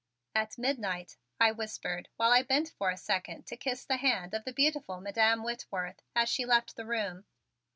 "At midnight," I whispered while I bent for a second to kiss the hand of the beautiful Madam Whitworth as she left the room.